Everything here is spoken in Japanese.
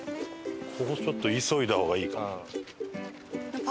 ここちょっと急いだ方がいい。